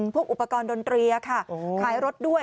พวกอุปกรณ์ดนตรีค่ะขายรถด้วย